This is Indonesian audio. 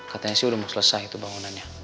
katanya sih udah selesai itu bangunannya